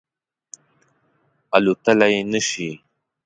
الوتلای نه شي